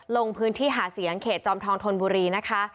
ลงพื้นที่หาเสียงเขตจอมทองธนบุรีนะคะ